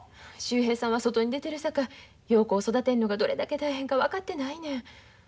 秀平さんは外に出てるさかい陽子を育てるのがどれだけ大変か分かってないねん。